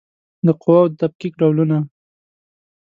د قواوو د تفکیک ډولونه